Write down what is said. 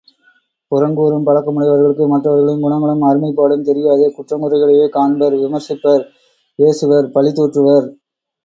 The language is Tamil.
புறங்கூறும் பழக்கமுடையவர்களுக்கு மற்றவர்களின் குணங்களும் அருமைப்பாடும் தெரியாது, குற்றங்குறைகளையே காண்பர் விமர்சிப்பர் ஏசுவர் பழிதூற்றுவர்.